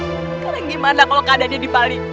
sekarang gimana kalau keadaannya di bali